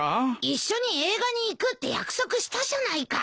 一緒に映画に行くって約束したじゃないか。